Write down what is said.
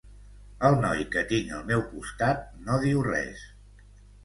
El noi que tinc al meu costat no diu res.